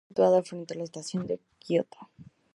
La torre está situada frente a la Estación de Kioto.